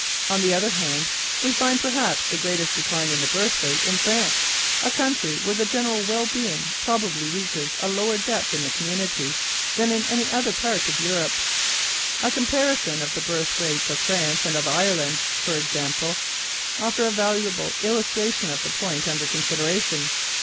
On the other hand, we find perhaps the greatest decline in the birth rate in France, a country where the general well being probably reaches a lower depth in the community than in any other part of Europe. A comparison of the birth rates of France and of Ireland, for example, offer a valuable illustration of the point under consideration.